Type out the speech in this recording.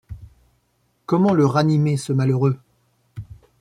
Comment le ranimer, ce malheureux ?